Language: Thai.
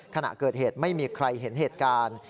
ขณะเกิดเหตุไม่มีใครเห็นเหตุการณ์